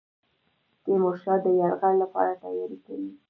تیمورشاه د یرغل لپاره تیاری کوي.